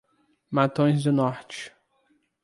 Matões do Norte